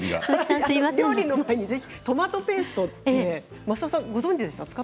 お料理の前にぜひ、トマトペースト、ご存じですか。